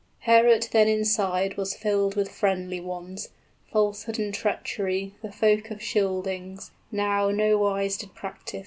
Heorot then inside Was filled with friendly ones; falsehood and treachery The Folk Scyldings now nowise did practise.